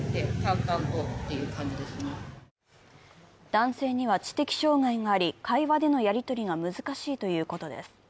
男性には知的障害があり会話でのやりとりが難しいということです。